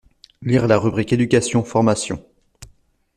Lire la rubrique éducation-formation.